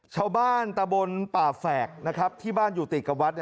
ชาวบ้านตะบนป่าแฝกนะครับที่บ้านอยู่ติดกับวัด